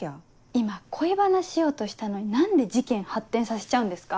今恋バナしようとしたのに何で事件発展させちゃうんですか？